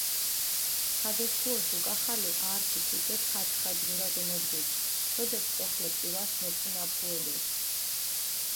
საგესქუოშ უკახალე ართი ჭიჭე ფაცხაჯგურა კინოდგუდ, სოდეთ წოხლე პივას ნოფუნაფუედეს.